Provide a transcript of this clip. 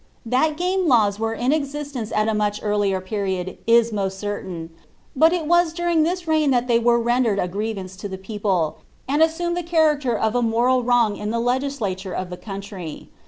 Thai game4awB were in existence at a much earlier period, i criain ; but it was during this rei^ that they nere rendered a ^'■> llic people, and assumed the character of a moml wrong in ij lalure of the country.